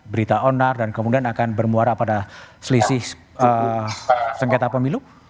berita onar dan kemudian akan bermuara pada selisih sengketa pemilu